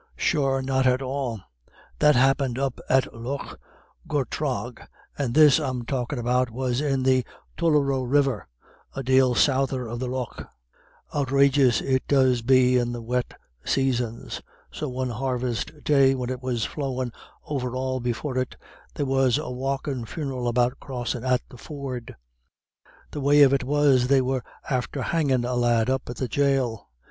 "Sure not at all: that happint up at Lough Gortragh, and this I'm talkin' about was in the Tullaroe River, a dale souther of the Lough. Outrageous it does be in the wet saisons. So one harvest day, when it was flowin' over all before it, there was a walkin' funeral about crossin' at the ford. The way of it was, they were after hangin' a lad up at the jail.